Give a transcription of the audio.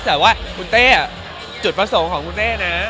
แต่ว่าคุณเต้จุดประสงค์ของคุณเต้นะ